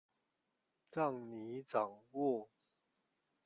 讓你掌握